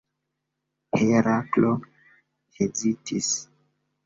Heraklo hezitis.